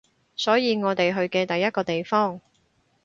所以我哋去嘅第一個地方